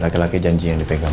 lagi lagi janji yang dipegang